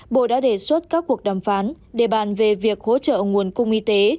bộ đã đề xuất các cuộc đàm phán đề bàn về việc hỗ trợ nguồn cung y tế